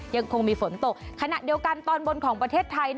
ยังคงมีฝนตกขณะเดียวกันตอนบนของประเทศไทย